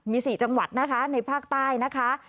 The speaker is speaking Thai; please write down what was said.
มี๔จังหวัดนะคะในภาคใต้นะคะ